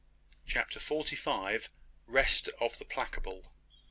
CHAPTER FORTY FIVE. REST OF THE PLACABLE.